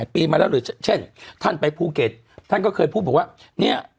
ปีมาแล้วหรือเช่นท่านไปภูเก็ตท่านก็เคยพูดบอกว่าเนี่ย